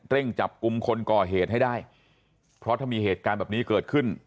จับกลุ่มคนก่อเหตุให้ได้เพราะถ้ามีเหตุการณ์แบบนี้เกิดขึ้น